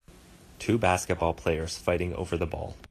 Two basketball players fighting over the ball.